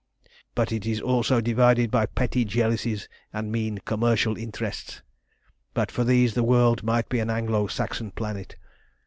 "But it is also divided by petty jealousies, and mean commercial interests. But for these the world might be an Anglo Saxon planet.